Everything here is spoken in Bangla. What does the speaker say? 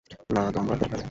না, তোমরা দেখালে।